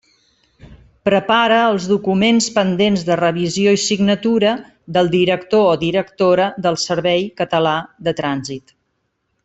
Prepara els documents pendents de revisió i signatura del director o directora del Servei Català de Trànsit.